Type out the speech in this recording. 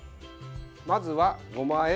まずは、ごまあえ